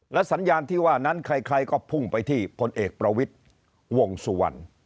สัญญาณที่ว่านั้นใครก็พุ่งไปที่พลเอกประวิทย์วงสุวรรณ